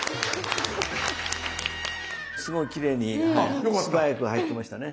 すごいきれいに素早く入ってましたね。